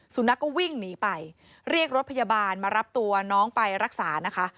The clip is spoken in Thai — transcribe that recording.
สุนัขก็วิ่งหนีไปเรียกรถพยาบาลมารับตัวน้องไปรักษานะคะ